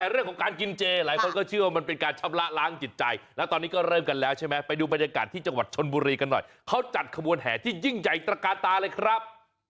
แต่เรื่องของการกินเจหลายคนก็เชื่อว่ามันเป็นการชำระล้างจิตใจแล้วตอนนี้ก็เริ่มกันแล้วใช่ไหมไปดูบรรยากาศที่จังหวัดชนบุรีกันหน่อยเขาจัดขบวนแห่ที่ยิ่งใหญ่ตระกาตาเลยครับ